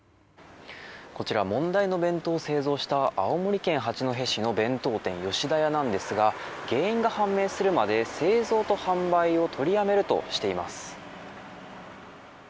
こちら、問題の弁当を製造した青森県八戸市の弁当店吉田屋なんですが原因が判明するまで製造と販売を取りやめるとしています。